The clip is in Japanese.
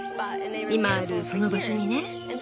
今あるその場所にね。